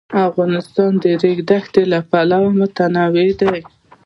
افغانستان د د ریګ دښتې له پلوه متنوع دی.